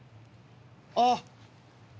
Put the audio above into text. ああ。